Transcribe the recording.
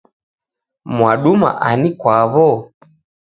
Mwaduma ani kwaw'o?